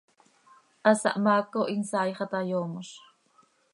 Hasahmaaco hin saai xah ta yoomoz.